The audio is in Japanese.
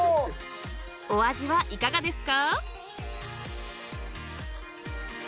［お味はいかがですか？］